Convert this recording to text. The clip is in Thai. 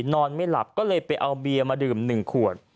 นอนไม่หลับก็เลยไปเอาเบียร์มาดื่ม๑ขวด